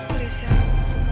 please ya rum